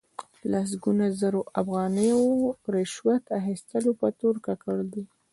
د لسګونو زرو افغانیو رشوت اخستلو په تور ککړ دي.